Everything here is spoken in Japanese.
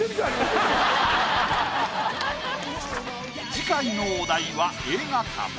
次回のお題は「映画館」。